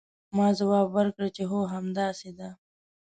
ما ځواب ورکړ چې هو همداسې ده.